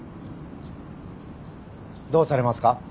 どうされますか？